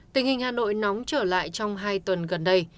tình hình hà nội nóng trở lại trong hai tuần gần đây